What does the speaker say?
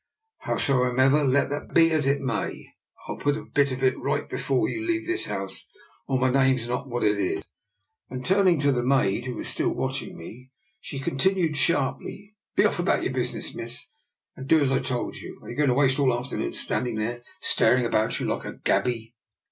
Howsomever, let that be as it may, I'll put a bit of it right before you leave this house, or my name's not what it is." Then turning to the maid, who was still watching me, she continued sharply, Be off about your business, miss, and do as I told you. Are you going to waste all the after noon standing there staring about you like a gaby?